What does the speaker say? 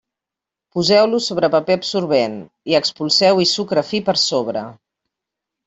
Poseu-los sobre paper absorbent, i espolseu-hi sucre fi per sobre.